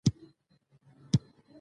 ځوانان د فرهنګ د ودې لپاره کار کوي.